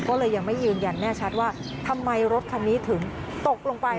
ก็เลยยังไม่ยืนยันแน่ชัดว่าทำไมรถคันนี้ถึงตกลงไป